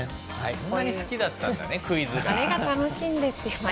あれが楽しいんですよ毎回。